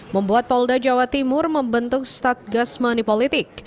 membuat polda jawa timur membentuk satgas money politik